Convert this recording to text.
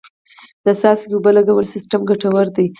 د څاڅکي اوبو لګولو سیستم ګټور دی.